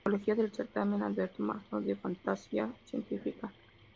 Antología del "Certamen Alberto Magno de Fantasía Científica".